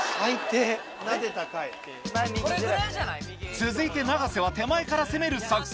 続いて永瀬は手前から攻める作戦